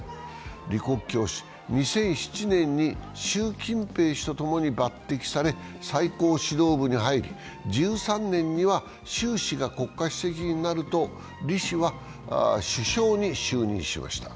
李克強氏、２００７年に習近平氏とともに抜擢され最高指導部入り、１３年には習氏が国家主席になると李氏は首相に就任しました。